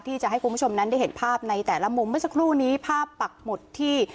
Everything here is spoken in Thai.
ที่จะให้คุณผู้ชมนั้นได้เห็นภาพในแต่ละมุมเมื่อสักครู่นี้ภาพปักหมุดที่